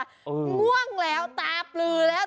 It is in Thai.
ง่วงแล้วตาปลือแล้ว